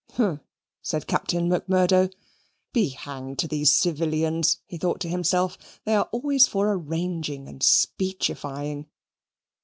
"Humph!" said Captain Macmurdo. Be hanged to these civilians, he thought to himself, they are always for arranging and speechifying.